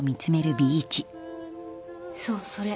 そうそれ